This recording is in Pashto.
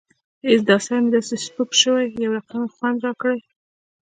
هېڅ دا سر مې داسې سپک سوى يو رقم خوند يې راکړى.